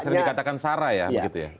sering dikatakan sara ya begitu ya